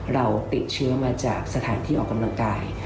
เราติดเชื้อมาจากสถานที่ออกกำลังกาย